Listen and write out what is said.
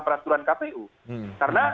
peraturan kpu karena